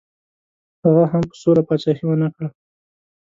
هغه هم په سوله پاچهي ونه کړه.